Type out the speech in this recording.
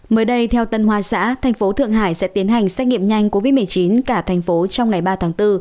mới đây theo tân hoa xã thành phố thượng hải sẽ tiến hành xét nghiệm nhanh covid một mươi chín cả thành phố trong ngày ba tháng bốn